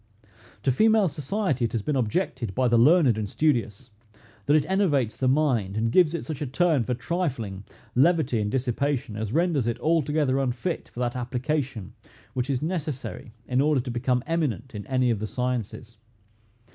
To female society it has been objected by the learned and studious, that it enervates the mind, and gives it such a turn for trifling, levity, and dissipation, as renders it altogether unfit for that application which is necessary in order to become eminent in any of the sciences.